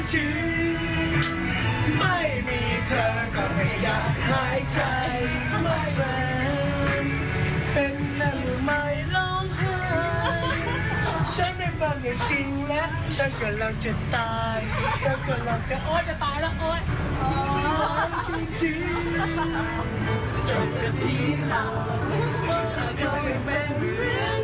คุณดิฉันรีบเสิร์ชหาแล้วค่ะว่ารถเมย์สาย๒๘เขาวิ่งไปไหนบ้าง